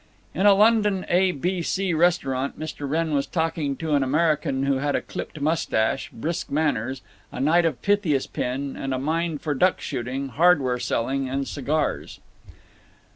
In a London A. B. C. restaurant Mr. Wrenn was talking to an American who had a clipped mustache, brisk manners, a Knight of Pythias pin, and a mind for duck shooting, hardware selling, and cigars.